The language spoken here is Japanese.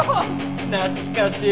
懐かしい。